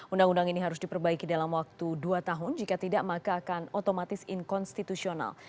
undang undang ini harus diperbaiki dalam waktu dua tahun jika tidak maka akan otomatis inkonstitusional